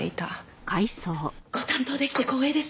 ご担当できて光栄です。